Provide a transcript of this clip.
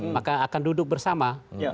maka akan duduk bersama